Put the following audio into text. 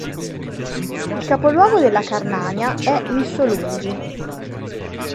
Il capoluogo dell'Acarnania è Missolungi.